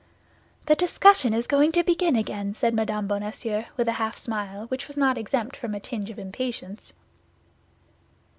"The discussion is going to begin again!" said Mme. Bonacieux, with a half smile which was not exempt from a tinge of impatience.